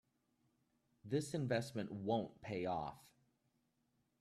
This investment won't pay off.